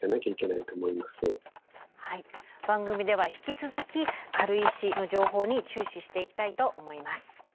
番組では引き続き軽石の情報に注視していきたいと思います。